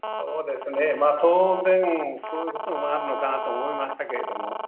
当然、そういうことになるのかなと思いましたけど。